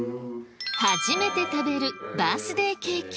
初めて食べるバースデーケーキ。